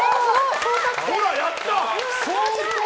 ほら、やった！